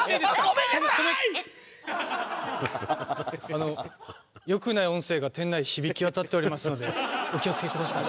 あの良くない音声が店内響き渡っておりますのでお気をつけください。